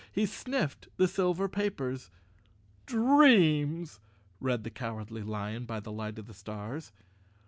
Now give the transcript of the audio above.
He sniffed the silver papers. "Dreams," read the Cowardly Lion by the light of the stars.